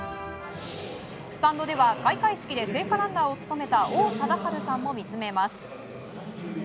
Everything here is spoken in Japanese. スタンドでは開会式で聖火ランナーを務めた王貞治さんも見つめます。